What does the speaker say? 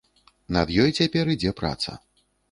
Над ёй цяпер ідзе праца.